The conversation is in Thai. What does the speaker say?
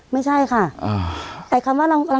ไม่ใช่ค่ะ